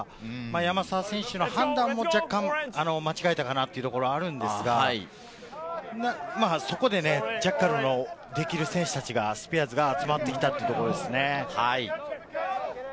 山沢選手の判断も若干、間違えたかな？というところがあるんですが、そこでジャッカルをできる選手たちが集まっていたということですね。